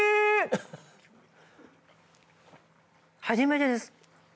初めてです。